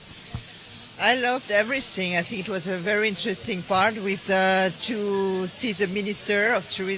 ขอบคุณครับทหารตอนนี้คุณว่าคุณชอบอะไรหรือไม่ชอบอะไร